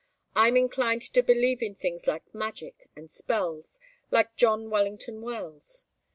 I'm inclined to believe in things like magic and spells like John Wellington Wells.